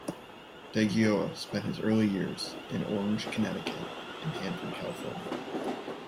DeGioia spent his early years in Orange, Connecticut, and Hanford, California.